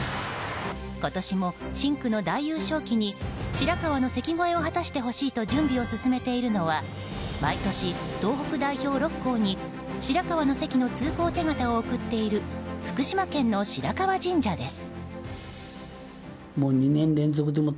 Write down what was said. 今年も深紅の大優勝旗に白河の関越えを果たしてほしいと準備を進めているのは毎年、東北代表６校に白河の関の通行手形を贈っている福島県の白河神社です。